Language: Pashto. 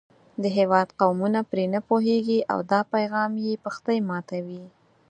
د هېواد قومونه پرې نه پوهېږي او دا پیغام یې پښتۍ ماتوي.